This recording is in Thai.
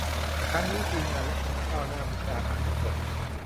ทั้งนี้ทีมงานคณะก้าวหน้ามุกดาหารทุกคน